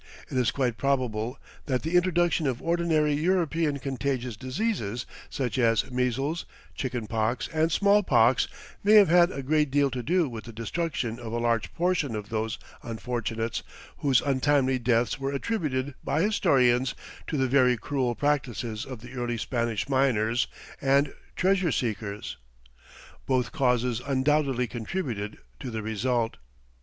It is quite probable that the introduction of ordinary European contagious diseases, such as measles, chicken pox, and smallpox, may have had a great deal to do with the destruction of a large proportion of those unfortunates whose untimely deaths were attributed by historians to the very cruel practices of the early Spanish miners and treasure seekers. Both causes undoubtedly contributed to the result.